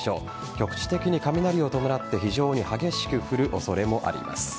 局地的に雷を伴って非常に激しく降る恐れもあります。